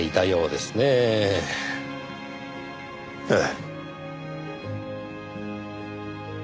ええ。